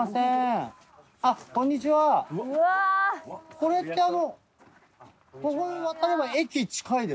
これってあの。